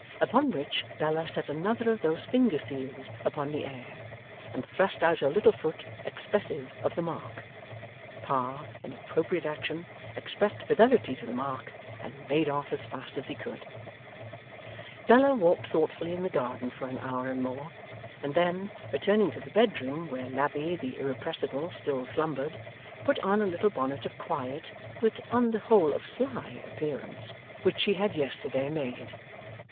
Upon which, Bella set another of those finger seals upon the air, and thrust out her little foot expressive of the mark. Pa, in appropriate action, expressed fidelity to the mark, and made off as fast as he could go. Bella walked thoughtfully in the garden for an hour and more, and then, returning to the bedroom where Lavvy the Irrepressible still slumbered, put on a little bonnet of quiet, but on the whole of sly appearance, which she had yesterday made.